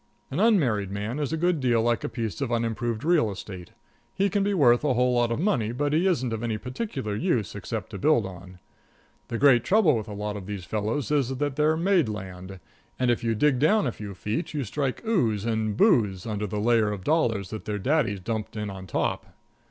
An unmarried man is a good deal like a piece of unimproved real estate he may be worth a whole lot of money, but he isn't of any particular use except to build on. The great trouble with a lot of these fellows is that they're "made land," and if you dig down a few feet you strike ooze and booze under the layer of dollars that their daddies dumped in on top.